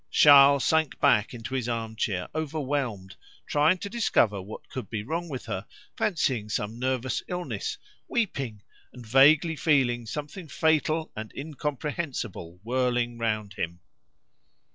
Charles sank back into his arm chair overwhelmed, trying to discover what could be wrong with her, fancying some nervous illness, weeping, and vaguely feeling something fatal and incomprehensible whirling round him.